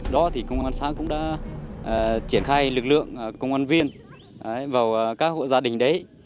đó thì công an xã cũng đã triển khai lực lượng công an viên vào các hộ gia đình đấy